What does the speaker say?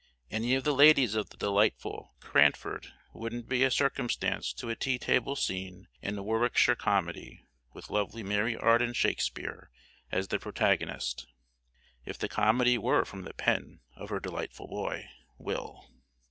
Any of the ladies of the delightful "Cranford" wouldn't be a circumstance to a tea table scene in a Warwickshire comedy, with lovely Mary Arden Shakespeare as the protagonist, if the comedy were from the pen of her delightful boy, Will.